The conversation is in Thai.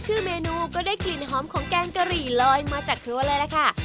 ชื่อเมนูก็ได้กลิ่นหอมของแกงกะหรี่ลอยมาจากครัวเลยล่ะค่ะ